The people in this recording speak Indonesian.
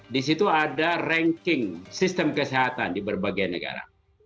di situ ada ranking sistem kesehatan di berbagai negara